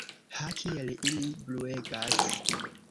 Ha, kiel ili bruegas!